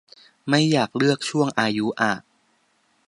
ไม่อยากเลือกช่วงอายุอะ